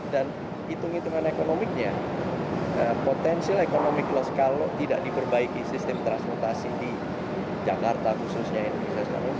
dan hitung hitungan ekonomiknya potensi ekonomi kalau tidak diperbaiki sistem transportasi di jakarta khususnya